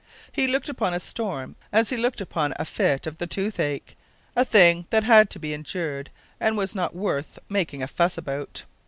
He looked upon a storm as he looked upon a fit of the toothache a thing that had to be endured, and was not worth making a fuss about.